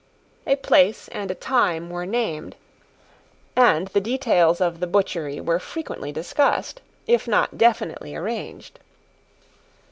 A place and a time were named; and the details of the butchery were frequently discussed, if not definitely arranged.